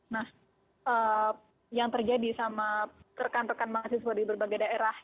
nah yang terjadi sama rekan rekan mahasiswa di berbagai daerah